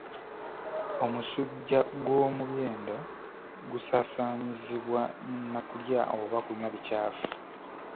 Omusujja gw'omubyenda gusaasaanyizibwa na kulya oba kunywa bikyafu.